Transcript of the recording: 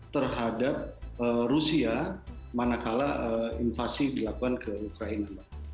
terhadap rusia manakala invasi dilakukan ke ukraina